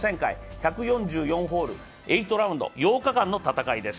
１４４ホール、８ラウンド８日間の戦いです。